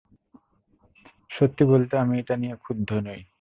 সত্যি বলতে, আমি এটা নিয়ে ক্ষুব্ধ নই।